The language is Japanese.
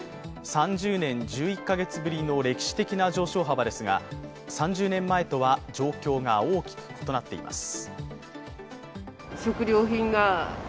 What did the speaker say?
３０年１１か月ぶりの歴史的な上昇幅ですが３０年前とは状況が大きく異なっています。